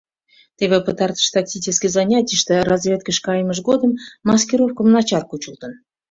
Теве пытартыш тактический занятийыште разведкыш каймыж годым маскировкым начар кучылтын.